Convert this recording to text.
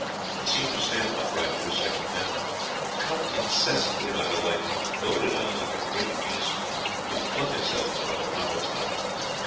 It seemed to stand upright for a second, then, cut incessantly by the lightning, goaded on like a great beast, it flung itself upon the prophet's hut.